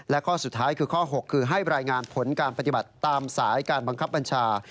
และข้อสุดท้ายคือข้อ๖คือให้รายงานผลการปฏิบัติตามสายการบังคับบัญชา